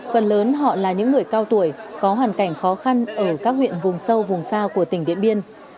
phần lớn họ là những người cao tuổi có hoàn cảnh khó khăn ở các huyện vùng sâu vùng xa của tỉnh điện biên